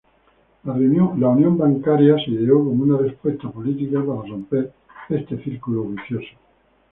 La unión bancaria se ideó como una respuesta política para romper este círculo vicioso.